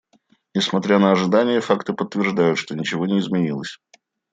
Несмотря на ожидания, факты подтверждают, что ничего не изменилось.